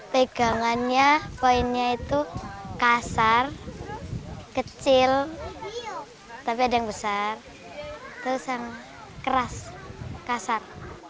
pegangannya poinnya itu kasar kecil tapi ada yang besar terus yang keras kasar